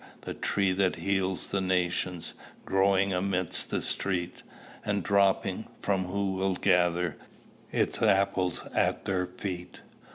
The tree that heals the nations, Growing amidst the street, And dropping, for who will gather, Its apples at their feet?